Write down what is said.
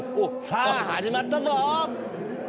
さあ始まったぞ。